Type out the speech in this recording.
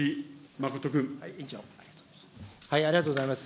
ありがとうございます。